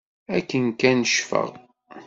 Akken kan ccfeɣ.